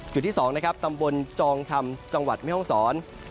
จุดที่๒ตำบลจองคำจังหวัดไม่ห้องสอน